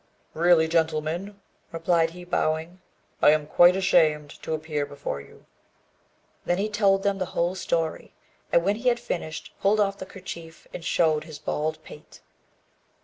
"Really, gentlemen," replied he, bowing, "I am quite ashamed to appear before you." Then he told them the whole story, and, when he had finished, pulled off the kerchief, and showed his bald pate.